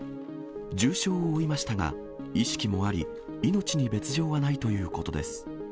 重傷を負いましたが、意識もあり、命に別状はないということです。